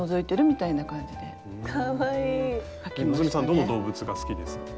どの動物が好きですか？